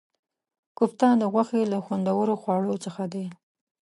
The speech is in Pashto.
کوفته د غوښې له خوندورو خواړو څخه دی.